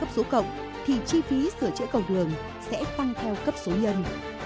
cấp số cộng thì chi phí sửa chữa cầu đường sẽ tăng theo cấp số nhân